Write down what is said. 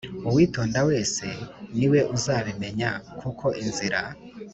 Uwitonda wese ni we uzabimenya kuko inzira